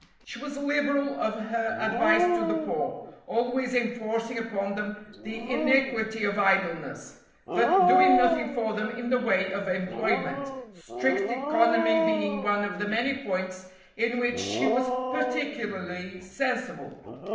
She was liberal of her advice to the poor, always enforcing upon them the iniquity of idleness, but doing nothing for them in the way of employment, strict economy being one of the many points in which she was particularly sensible.